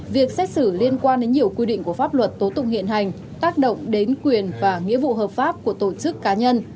việc xét xử liên quan đến nhiều quy định của pháp luật tố tụng hiện hành tác động đến quyền và nghĩa vụ hợp pháp của tổ chức cá nhân